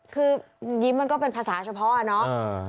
คือยิ้มมันก็เป็นภาษาเฉพาะอ่ะเนาะ